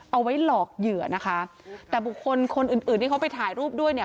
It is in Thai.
เอาไว้หลอกเหยื่อนะคะแต่บุคคลคนอื่นอื่นที่เขาไปถ่ายรูปด้วยเนี่ย